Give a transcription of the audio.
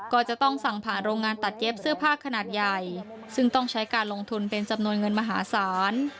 ก็จะต้องสั่งผ่านโรงงานตัดเย็บเสื้อผ้าขนาดใหญ่ซึ่งต้องใช้การลงทุนเป็นจำนวนเงินมหาศาล